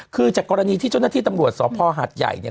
คือจากกรณีที่เจ้าหน้าที่ตำรวจสภหัดใหญ่เนี่ย